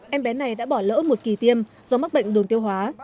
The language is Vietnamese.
em bé này đã bỏ lỡ một kỳ tiêm do mắc bệnh đường tiêu hóa